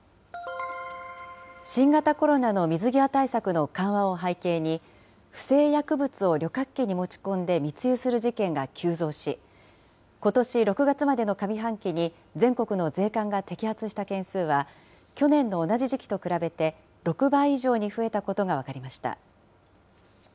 新型コロナの水際対策の緩和を背景に、不正薬物を旅客機に持ち込んで密輸する事件が急増し、ことし６月までの上半期に全国の税関が摘発した件数は、去年の同じ時期と比べて６倍以上に増えたことが分かりました。